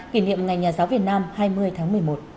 kỷ niệm ngày nhà giáo việt nam hai mươi tháng một mươi một